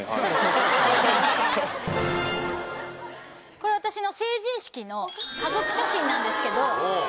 これ私の成人式の家族写真なんですけど。